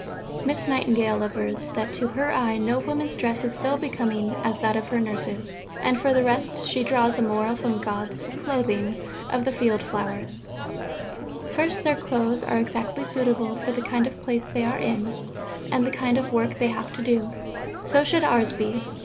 Miss Nightingale avers that to her eye no women's dress was so becoming as that of her Nurses, and for the rest she draws a moral from God's "clothing" of the field flowers: First: their "clothes" are exactly suitable for the kind of place they are in and the kind of work they have to do. So should ours be.